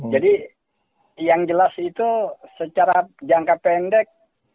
jadi yang jelas itu secara jangka pendek